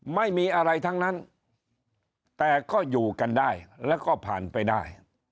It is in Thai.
ไม่มีอะไรทั้งนั้นแต่ก็อยู่กันได้แล้วก็ผ่านไปได้